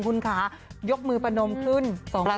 คุณคะยกมือปะนมขึ้นสองคืน